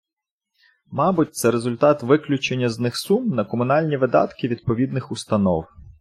Мабуть, це результат виключення з них сум на комунальні видатки відповідних установ.